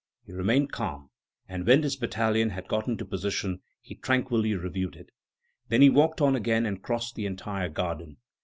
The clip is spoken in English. He remained calm, and when this battalion had got into position, he tranquilly reviewed it. Then he walked on again and crossed the entire garden.